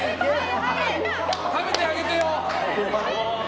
食べてあげてよ！